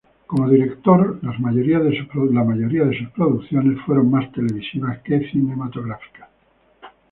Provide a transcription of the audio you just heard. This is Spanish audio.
Como director las mayorías de sus producciones fueron más televisivas que cinematográficas.